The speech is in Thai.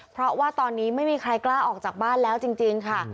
เพราะว่าตอนนี้ไม่มีใครกล้าออกจากบ้านแล้วจริงค่ะ